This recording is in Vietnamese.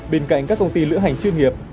bên cạnh các công ty lữ hành chuyên nghiệp